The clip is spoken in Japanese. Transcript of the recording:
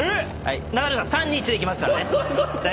ナダルさん３２１でいきますからね。